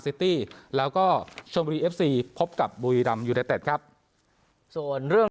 ซิตี้แล้วก็ชมบุรีเอฟซีพบกับบุรีรำยูไนเต็ดครับส่วนเรื่อง